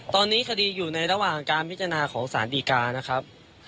ตอนนี้คดีอยู่ในระหว่างการพิจารณาของสารดีกานะครับ